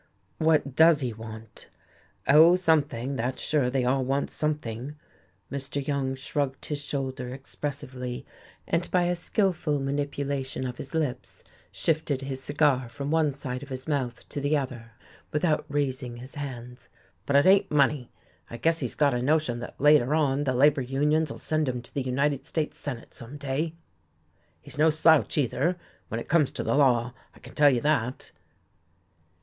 "What does he want?" "Oh, something, that's sure, they all want something." Mr. Young shrugged his shoulder expressively, and by a skillful manipulation of his lips shifted his cigar from one side of his mouth to the other without raising his hands. "But it ain't money. I guess he's got a notion that later on the labour unions'll send him to the United States Senate some day. He's no slouch, either, when it comes to law. I can tell you that."